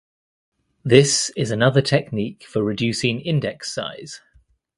This is another technique for reducing index size.